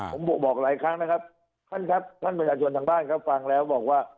ผมบอกหลายครั้งนะครับท่านครับท่านประชาชนทางบ้านครับฟังแล้วบอกว่า